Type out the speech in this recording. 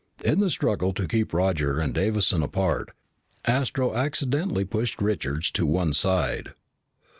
In the struggle to keep Roger and Davison apart, Astro accidentally pushed Richards to one side.